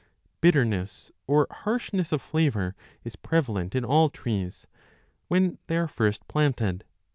Bitterness or harsh ness of flavour is prevalent in all trees when they are first planted.